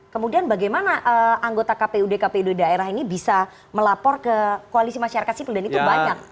kemudian bagaimana anggota kpu di kpu di daerah ini bisa melapor ke koalisi masyarakat situ dan itu banyak